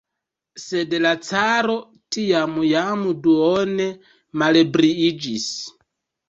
Sed la caro tiam jam duone malebriiĝis.